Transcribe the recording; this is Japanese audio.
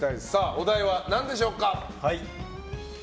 お題は何でしょうか？